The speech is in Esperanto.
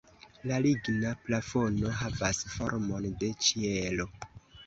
La ligna plafono havas formon de ĉielo.